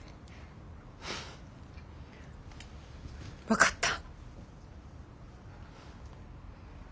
分かった。